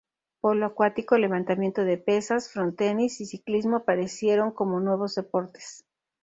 Polo acuático, Levantamiento de Pesas, Frontenis y Ciclismo aparecieron como nuevos deportes.